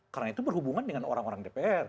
karena itu berhubungan dengan orang orang dpr